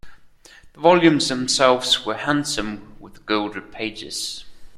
The volumes themselves were handsome, with gilded pages.